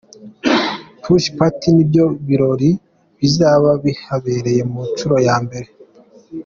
Posh Party’ nibyo birori bizaba bihabereye ku nshuro ya mbere.